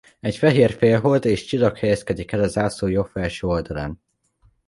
Egy fehér félhold és csillag helyezkedik el a zászló jobb felső oldalán.